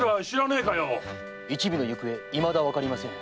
一味の行方いまだわかりません。